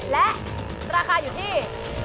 และราคาอยู่ที่